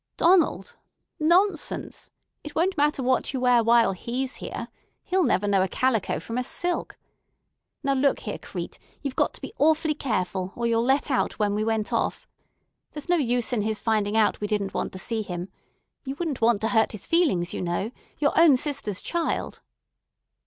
"Donald! Nonsense! It won't matter what you wear while he's here. He'll never know a calico from a silk. Now look here, Crete, you've got to be awfully careful, or you'll let out when we went off. There's no use in his finding out we didn't want to see him. You wouldn't want to hurt his feelings, you know. Your own sister's child!"